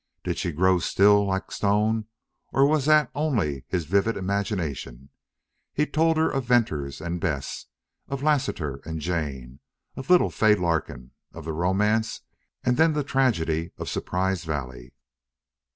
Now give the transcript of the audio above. Did she grow still, like stone, or was that only his vivid imagination? He told her of Venters and Bess of Lassiter and Jane of little Fay Larkin of the romance, and then the tragedy of Surprise Valley.